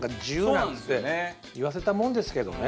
なんつっていわせたもんですけどね。